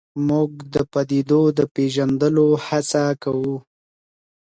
موږ د پدیدو د پېژندلو هڅه کوو.